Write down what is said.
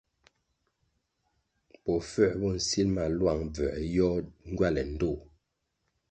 Bofuer bo nsil ma luang bvųer yoh ngywale ndtoh.